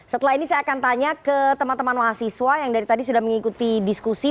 saya ingin tanya ke teman teman mahasiswa yang dari tadi sudah mengikuti diskusi